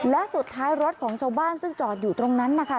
และสุดท้ายรถของชาวบ้านซึ่งจอดอยู่ตรงนั้นนะคะ